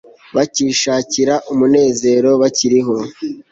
bakishakira umunezero bakiriho